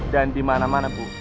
dan dimana mana bu